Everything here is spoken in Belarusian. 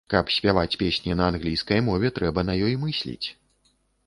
Каб спяваць песні на англійскай мове, трэба на ёй мысліць.